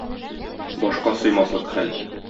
Башка сыймаслык хәл...